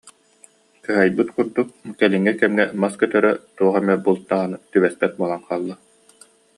Кыһайбыт курдук кэлиҥҥи кэмҥэ мас көтөрө, туох эмэ булт даҕаны түбэспэт буолан хаалла